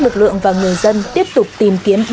lực lượng và người dân tiếp tục tìm kiếm